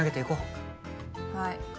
はい。